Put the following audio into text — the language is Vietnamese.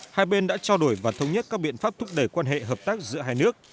hai bên đã trao đổi và thống nhất các biện pháp thúc đẩy quan hệ hợp tác giữa hai nước